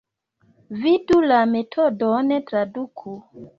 Vidu la metodon traduku.